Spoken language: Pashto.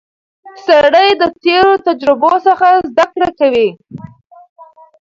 سړی د تېرو تجربو څخه زده کړه کوي